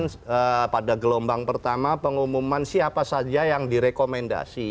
kemudian pada gelombang pertama pengumuman siapa saja yang direkomendasi